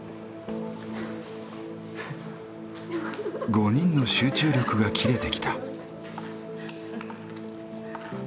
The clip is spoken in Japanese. ５人の集中力が切れてきた。